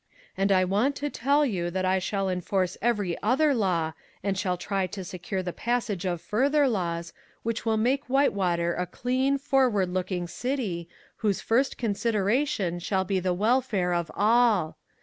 "And I want to tell you that I shall enforce every other law, and shall try to secure the passage of further laws, which will make Whitewater a clean, forward looking city, whose first consideration shall be the welfare of all.